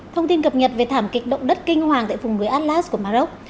thông tin cập nhật về thảm kịch động đất kinh hoàng tại phùng đuối atlas của mà rốc